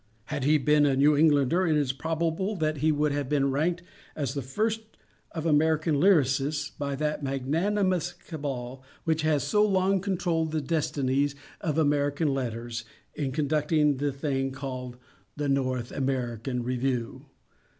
Had he been a New Englander, it is probable that he would have been ranked as the first of American lyrists by that magnanimous cabal which has so long controlled the destinies of American Letters, in conducting the thing called "The North American Review."